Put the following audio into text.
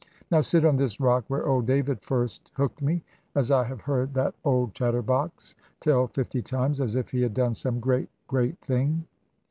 Now sit on this rock where old David first hooked me, as I have heard that old chatterbox tell fifty times, as if he had done some great great thing."